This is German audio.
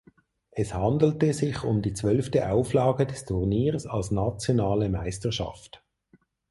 Es handelte sich um die zwölfte Auflage des Turniers als nationale Meisterschaft.